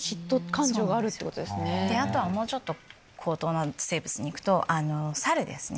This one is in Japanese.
あとはもうちょっと高等な生物に行くとサルですね。